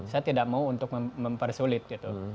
saya tidak mau untuk mempersulit gitu